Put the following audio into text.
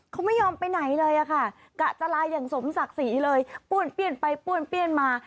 เขาไม่ยอมไปไหนเลยอะค่ะกะจะลาอย่างสมศักดิ์ศรีเลยป้วนเปี้ยนไปป้วนเปี้ยนมา